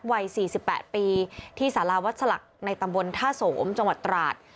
วัย๔๘ปีที่สาราวัดสลักในตำบลท่าโสมจังหวัดตราด